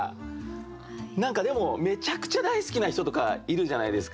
何かでもめちゃくちゃ大好きな人とかいるじゃないですか。